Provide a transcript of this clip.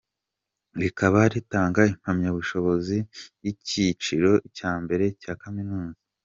Rikaba ritanga impamyabushobozi y’ikiciro cya mbere cya kaminuza.